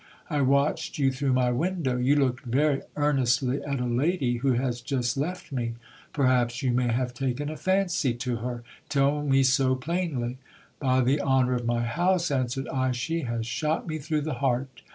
I watched you through my window. You looked very earnestly at a lady who has just left me. Perhaps you may have taken a fancy to her ? tell me so plainly. By the honour of my house, answered I, she has shot me through the heart.